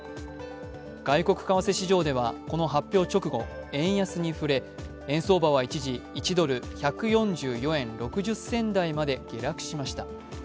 外国為替市場ではこの発表直後円安に振れ円相場は一時１ドル＝１４４円６０銭台まで下落しました。